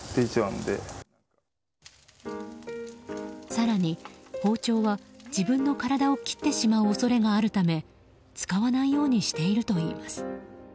更に、包丁は自分の体を切ってしまう恐れがあるため使わないようにしているといいます。